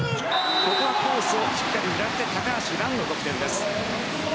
ここはコースをしっかり狙って高橋藍の得点です。